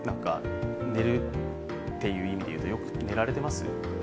寝るっていう意味でいうとよく寝られてます？